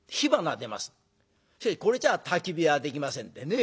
しかしこれじゃたき火はできませんでね。